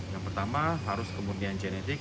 yang pertama harus kemurnian genetik